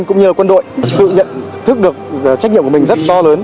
cũng như quân đội tự nhận thức được trách nhiệm của mình rất to lớn